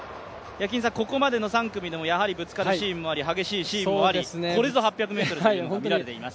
ここまでの３組でもぶつかるシーンもあり、激しいシーンもありこれぞ８００ｍというのが見られています。